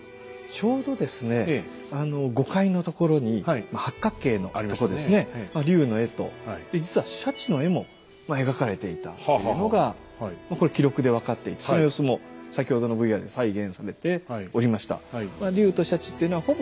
ちょうど５階のところに八角形のとこですね龍の絵と実は鯱の絵も描かれていたっていうのが記録で分かっていてその様子も先ほどのＶＲに再現されておりました。